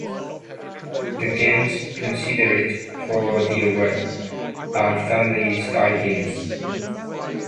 The games considered for the award are family-style games.